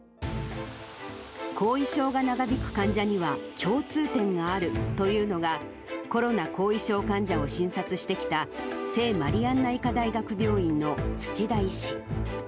後遺症が長引く患者には、共通点があるというのが、コロナ後遺症患者を診察してきた、聖マリアンナ医科大学病院の土田医師。